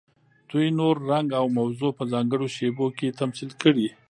دوی نور، رنګ او موضوع په ځانګړو شیبو کې تمثیل کړي.